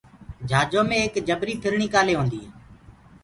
جھاجو مي ايڪ جبريٚ ڦرڻيٚ ڪآلي هونديٚ هي